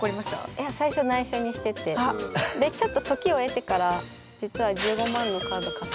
いや最初ないしょにしててでちょっと時を得てから実は買った。